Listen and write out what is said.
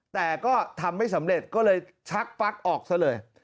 แต่ก็ทำไม่สำเร็จก็เลยชักปั๊กออกซะเลย